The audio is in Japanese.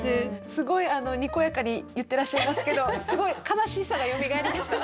すごいにこやかに言ってらっしゃいますけどすごい悲しさがよみがえりました。